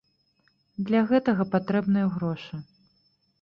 Для гэтага патрэбныя грошы.